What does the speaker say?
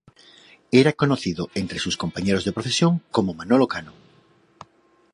Era conocido entre sus compañeros de profesión como "Manolo Cano".